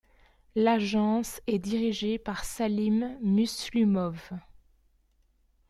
L'agence est dirigée par Salim Muslumov.